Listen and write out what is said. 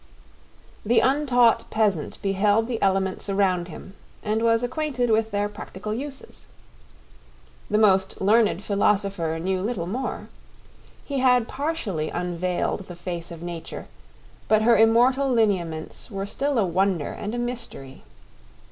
The untaught peasant beheld the elements around him and was acquainted with their practical uses. The most learned philosopher knew little more. He had partially unveiled the face of Nature, but her immortal lineaments were still a wonder and a mystery.